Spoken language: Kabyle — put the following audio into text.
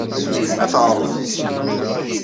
Ad t-ɛerḍent.